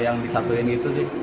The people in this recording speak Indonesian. yang disatuin gitu sih